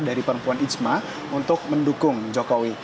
dari perempuan ijma untuk mendukung jokowi